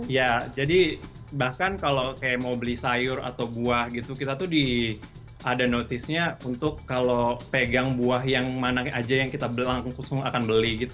ya jadi bahkan kalau kayak mau beli sayur atau buah gitu kita tuh ada notice nya untuk kalau pegang buah yang mana aja yang kita langsung akan beli gitu